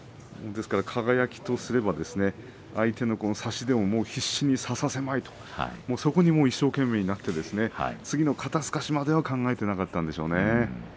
ですから、輝とすれば相手の差し手を必死に差させまいとそこに一生懸命になって次の肩すかしまでは考えていなかったんでしょうね。